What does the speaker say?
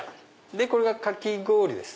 これがかき氷です。